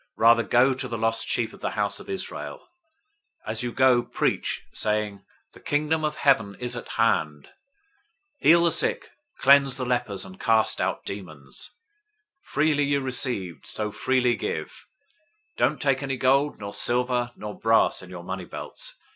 010:006 Rather, go to the lost sheep of the house of Israel. 010:007 As you go, preach, saying, 'The Kingdom of Heaven is at hand!' 010:008 Heal the sick, cleanse the lepers{TR adds ", raise the dead"}, and cast out demons. Freely you received, so freely give. 010:009 Don't take any gold, nor silver, nor brass in your money belts.